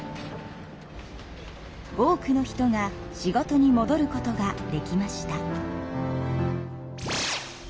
多くの人が仕事にもどることができました。